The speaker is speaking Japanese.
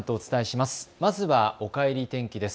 まずは、おかえり天気です。